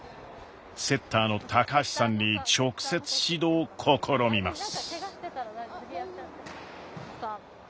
セッターの橋さんに直接指導を試みます。